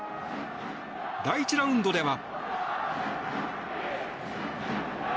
第１ラウンドでは。